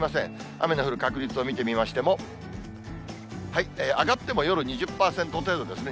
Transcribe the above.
雨の降る確率を見てみましても、上がっても夜２０％程度ですね。